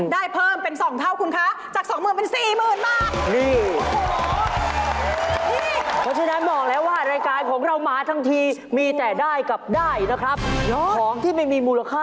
ได้เพิ่มเป็นสองเท่าคุณคะ